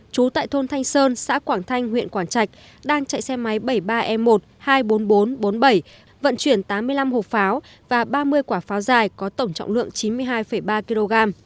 trú tại thôn thanh sơn xã quảng thanh huyện quảng trạch đang chạy xe máy bảy mươi ba e một hai mươi bốn nghìn bốn trăm bốn mươi bảy vận chuyển tám mươi năm hộp pháo và ba mươi quả pháo dài có tổng trọng lượng chín mươi hai ba kg